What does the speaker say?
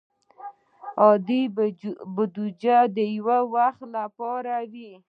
عادي بودیجه د یو وخت لپاره وي.